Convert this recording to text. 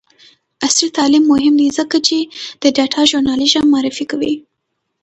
عصري تعلیم مهم دی ځکه چې د ډاټا ژورنالیزم معرفي کوي.